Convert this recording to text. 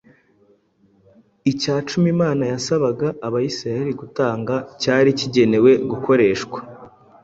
Icyacumi Imana yasabaga Abisirayeli gutanga cyari kigenewe gukoreshwa